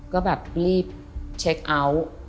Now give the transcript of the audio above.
ก็แบบรีบเช็คเอาท์